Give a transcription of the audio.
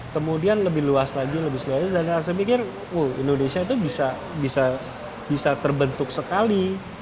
kemudian lebih luas lagi lebih serius dan saya pikir indonesia itu bisa terbentuk sekali